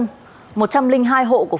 một trăm linh hai hộ của phường